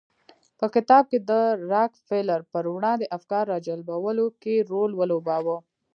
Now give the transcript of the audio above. په کتاب کې د راکفیلر پر وړاندې افکار راجلبولو کې رول ولوباوه.